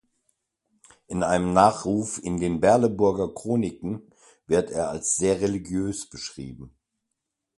In einem Nachruf in den Berleburger Chroniken wird er als sehr religiös beschrieben.